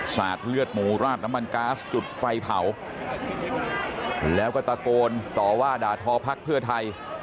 สาดเลือดหมูราดน้ำมันก๊าซจุดไฟเผาแล้วก็ตะโกนต่อว่าด่าทอพักเพื่อไทย